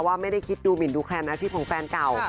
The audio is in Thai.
ว่าไม่ได้คิดดูหมินดูแคลนอาชีพของแฟนเก่า